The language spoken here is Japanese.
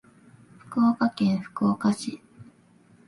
福岡県福岡市